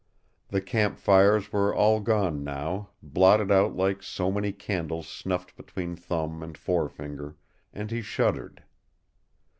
The camp fires were all gone now, blotted out like so many candles snuffed between thumb and forefinger, and he shuddered.